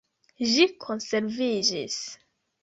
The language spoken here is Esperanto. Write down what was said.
Ĝi konserviĝis.